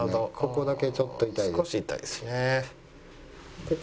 ここだけちょっと痛いです。